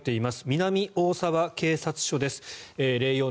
南大沢警察署です。